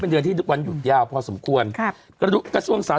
เป็นเดือนที่วันหยุดยาวพอสมควรครับกระดุกระสวงสา